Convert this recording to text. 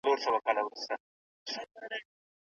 په رښتینې نړۍ کي مینه نسته.